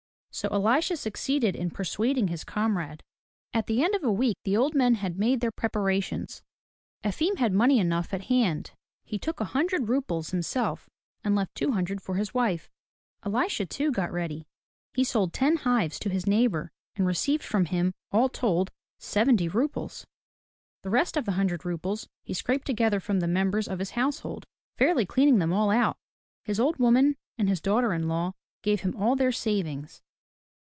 So Elisha succeeded in persuading his comrade. At the end of a week the old men had made their preparations. Efim had money enough at hand. He took a hundred roubles 153 MY BOOK HOUSE himself and left two hundred for his wife. Elisha too got ready. He sold ten hives to his neighbor, and received from him, all told, seventy roubles. The rest of the hundred roubles he scraped together from the members of his household, fairly cleaning them all out. His old woman and his daughter in law gave him all their savings.